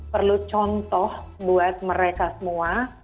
perlu contoh buat mereka semua